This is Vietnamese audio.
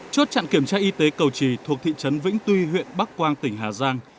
chốt chặn kiểm tra y tế cầu trì thuộc thị trấn vĩnh tuy huyện bắc quang tỉnh hà giang